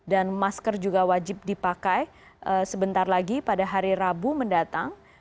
dan masker juga wajib dipakai sebentar lagi pada hari rabu mendatang